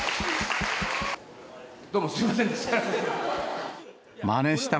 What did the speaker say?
どうもすみませんでした。